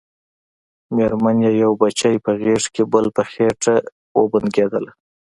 مېرمن يې يو بچی په غېږ کې بل په خېټه وبنګېدله.